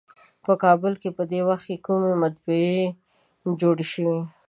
په کابل کې په دې وخت کومې مطبعې جوړې شوې.